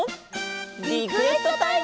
リクエストタイム！